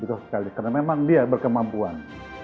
betul sekali karena memang dia berkemampuan